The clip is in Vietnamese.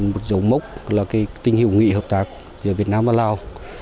một dấu mốc là tình hữu nghị hợp tác giữa việt nam và lào